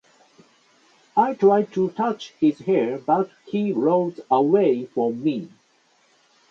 I try to touch his hair but he rolls away from me.